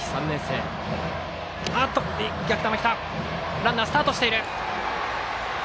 ランナー、スタートしていた。